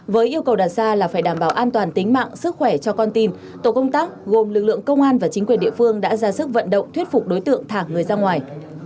với yêu cầu đặt ra là phải đảm bảo an toàn tính mạng sức khỏe cho con tin tổ công tác gồm lực lượng công an và chính quyền địa phương đã ra sức vận động thuyết phục đối tượng thả người ra ngoài